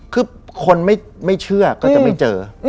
คือคนไม่เชื่อก็จะไม่เจอ